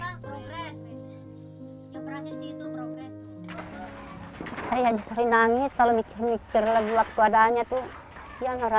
sejak kemarin hatijah sudah berusaha untuk mencari anak anak yang lebih muda